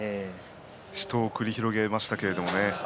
死闘を繰り広げましたけど。